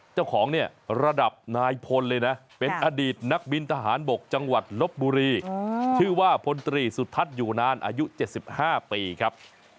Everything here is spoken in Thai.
จังหวัดลบบุรีชื่อว่าพนตรีสุทัศน์อยู่นานอายุ๗๕ปีครับ